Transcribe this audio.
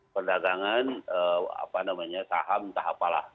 perdagangan saham entah apalah